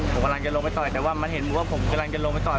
ผมกำลังจะลงไปต่อยแต่ว่ามันเห็นบอกว่าผมกำลังจะลงไปต่อย